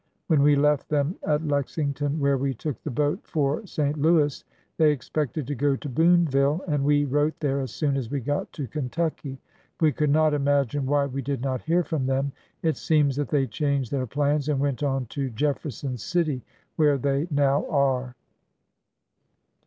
When we left them at Lexington, where we took the boat for St. Louis, they expected to go to Booneville, and w^e wrote there as soon as we got to Kentucky. We could not imagine why we did not hear from them. It seems that they changed their plans and went on to Jefferson City, where they now are.